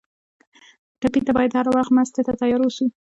ټپي ته باید هر وخت مرستې ته تیار ووسو.